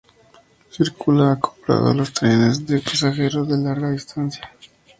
Circula acoplado a los trenes de pasajeros de larga distancia.